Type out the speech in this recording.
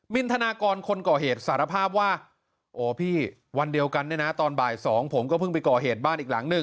มินธนากรคนก่อเหตุสารภาพว่าโอ้พี่วันเดียวกันน่ะ